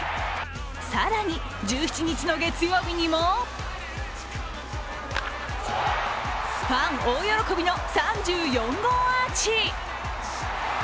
更に１７日の月曜日にもファン大喜びの３４号アーチ。